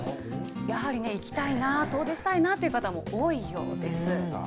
やはりね、行きたいな、遠出したいなという人も多いようです。